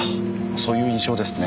そういう印象ですね。